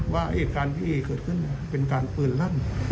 ว่าเหตุการณ์ที่เกิดขึ้นเป็นการปืนลั่น